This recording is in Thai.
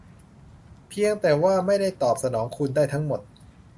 เพียงแต่ว่าไม่ได้ตอบสนองคุณได้ทั้งหมด